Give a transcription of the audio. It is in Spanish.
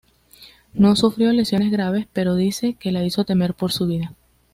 No sufrió lesiones graves, pero dice que la hizo temer por su vida.